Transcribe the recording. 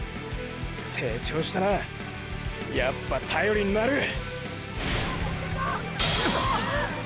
成長したなやっぱ頼りンなる。っ！！